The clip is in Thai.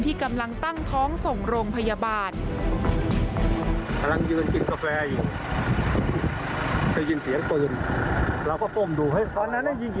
ที่กำลังตั้งท้องส่งโรงพยาบาล